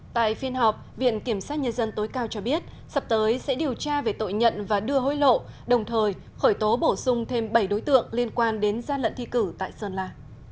tại phiên họp viện kiểm sát nhân dân tối cao cho biết sắp tới sẽ điều tra về tội nhận và đưa hối lộ đồng thời khởi tố bổ sung thêm bảy đối tượng liên quan đến gian lận thi cử tại sơn la